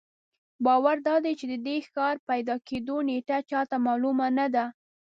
باور دادی چې د دې ښار پیدا کېدو نېټه چا ته معلومه نه ده.